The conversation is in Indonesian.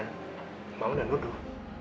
mama udah nuduh